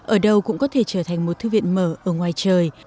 ở đâu cũng có thể trở thành một thư viện mở ở ngoài trời